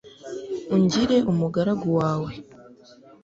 ungire umugaragu wawe